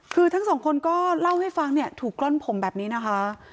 คือทั้งสองคนก็เล่าให้ฟังเนี่ยถูกกล้อนผมแบบนี้นะคะ